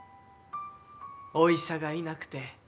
お医者がいなくて。